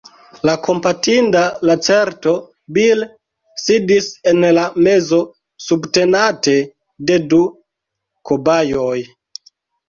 La kompatinda lacerto Bil sidis en la mezo subtenate de du kobajoj